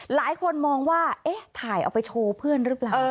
หลายคนมองว่าเอ๊ะถ่ายเอาไปโชว์เพื่อนหรือเปล่า